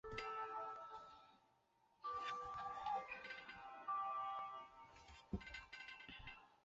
他采用恐怖手段对付此起彼伏的反朝廷阴谋和兵变。